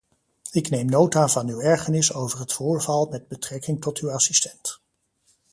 Ik neem nota van uw ergernis over het voorval met betrekking tot uw assistent.